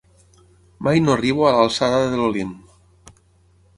Mai no arribo a l'alçada de l'Olimp.